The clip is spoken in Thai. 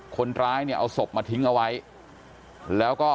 คนร้ายเนี่ยเอาศพมาทิ้งเอาไว้แล้วก็